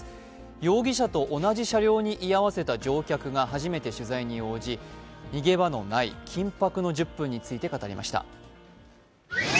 容疑者と同じ車両に居合わせた乗客が初めて取材に応じ、逃げ場のない緊迫の１０分について語りました。